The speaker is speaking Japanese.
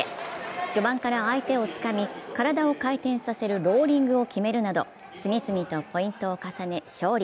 序盤から相手をつかみ、体を回転させるローリングを決めるなど次々とポイントを重ね勝利。